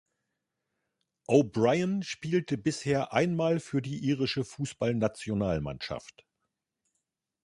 O’Brien spielte bisher einmal für die irische Fußballnationalmannschaft.